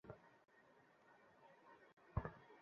ওর পায়ে একটি গভীর ক্ষত আছে।